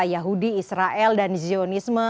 yahudi israel dan zionisme